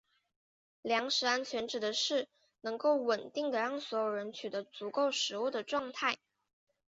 粮食安全指的是能够稳定地让所有人取得足够食物的状态。